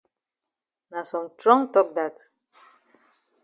Na some trong tok dat.